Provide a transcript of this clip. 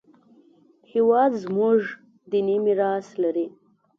هېواد زموږ دیني میراث لري